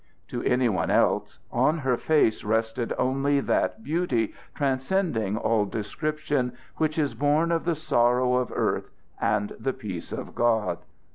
To any one else, on her face rested only that beauty, transcending all description, which is born of the sorrow of earth and the peace of God.